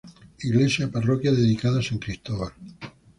Iglesia parroquia dedicada a San Cristóbal.